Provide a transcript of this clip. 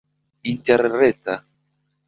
interreta